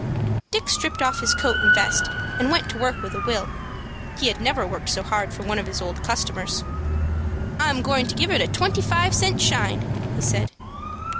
Dick stripped off his coat and vest and went to work with a will. He had never worked so hard for one of his old customers. "I'm goin' to give it a twenty five cent shine," he said.